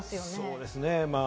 そうですね。